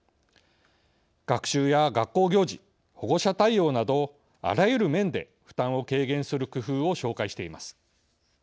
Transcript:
学習や学校行事保護者対応などあらゆる面で負担を軽減する工夫を紹介しています。